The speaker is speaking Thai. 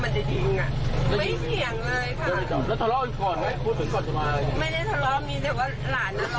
แล้วตอนนี้มันเห็นวิดีโอคอล์กันมันเห็นหาให้ชักปืนมาเล่น